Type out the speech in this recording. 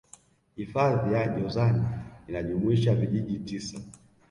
hifadhi ya jozani inajumuisha vijiji tisa